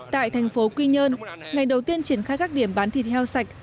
tại thành phố quy nhơn ngày đầu tiên triển khai các điểm bán thịt heo sạch